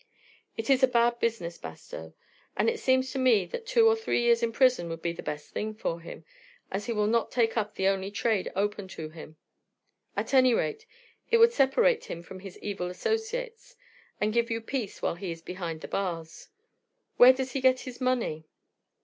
"It is a bad business, Bastow, and it seems to me that two or three years in prison would be the best thing for him, as he will not take up the only trade open to him. At any rate, it would separate him from his evil associates, and give you peace while he is behind the bars. Where does he get his money?"